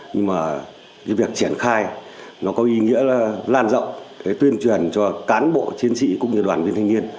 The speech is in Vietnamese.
nhưng mà việc triển khai nó có ý nghĩa là lan rộng tuyên truyền cho cán bộ chiến sĩ cũng như đoàn viên thanh niên